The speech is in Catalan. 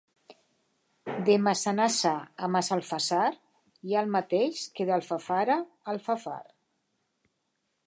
De Massanassa a Massalfassar hi ha el mateix que d'Alfafara a Alfafar.